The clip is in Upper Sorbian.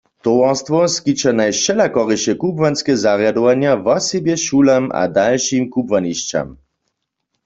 Towarstwo skića najwšelakoriše kubłanske zarjadowanja wosebje šulam a dalšim kubłanišćam.